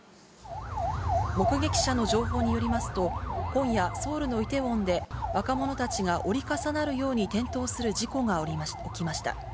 目撃者の情報によりますと、今夜、ソウルのイテウォンで若者たちが折り重なるように転倒する事故が起きました。